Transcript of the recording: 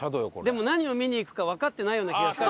でも何を見に行くかわかってないような気がする。